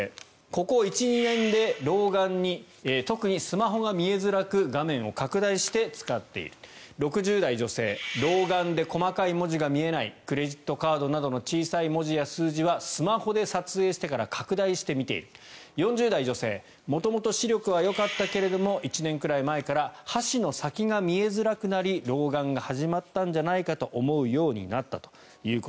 ここ１２年で老眼に特にスマホが見えづらく画面を拡大して使っている６０代女性老眼で細かい文字が見えないクレジットカードなどの小さい文字や数字はスマホで撮影してから拡大して見ている４０代女性元々、視力はよかったけれども１年くらい前から箸の先が見えづらくなり老眼が始まったんじゃないかと思うようになったと。